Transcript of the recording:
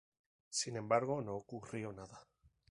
Sin embargo, no ocurrió nada.